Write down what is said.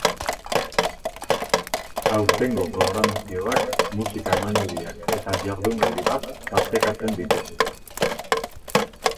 Aurtengo programazioak, musika emanaldiak eta jardunaldi bat tartekatzen ditu.